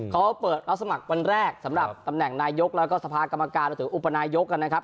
เขาเปิดรับสมัครวันแรกสำหรับตำแหน่งนายกแล้วก็สภากรรมการรวมถึงอุปนายกกันนะครับ